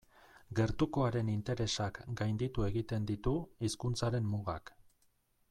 Gertukoaren interesak gainditu egiten ditu hizkuntzaren mugak.